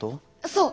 そう！